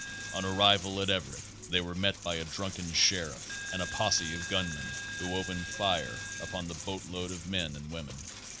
On ar rival at Everett they were met by a drunken sheriff and a posse of gunmen who opened fire upon the boat load of men and women.